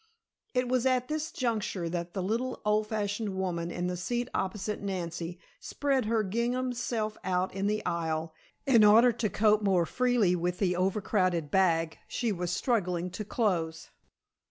It was at this juncture that the little old fashioned woman, in the seat opposite Nancy, spread her ginghamed self out in the aisle, in order to cope more freely with the over crowded bag she was struggling to close.